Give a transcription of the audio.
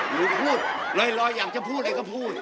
หรือพูดลอยอยากจะพูดอะไรก็พูด